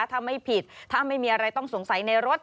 ถ้าไม่ผิดถ้าไม่มีอะไรต้องสงสัยในรถ